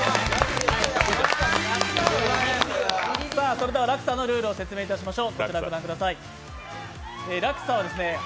それでは「落差」のルールを説明します。